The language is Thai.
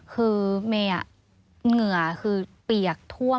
คือเมย์